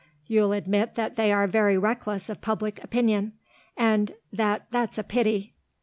You'll admit that they are very reckless of public opinion, and that that's a pity."